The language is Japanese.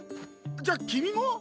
じゃあ君も？